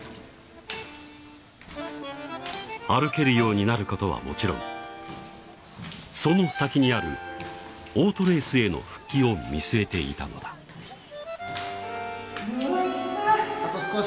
歩けるようになることはもちろんその先にあるオートレースへの復帰を見据えていたのだうわっきつい